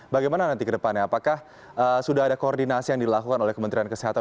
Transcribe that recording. bagaimana nanti ke depannya apakah sudah ada koordinasi yang dilakukan oleh kementerian kesehatan